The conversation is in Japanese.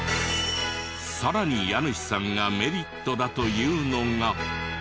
さらに家主さんがメリットだというのが。